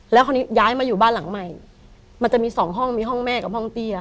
แล้วคราวนี้ย้ายมาอยู่บ้านหลังใหม่มันจะมีสองห้องมีห้องแม่กับห้องเตี้ย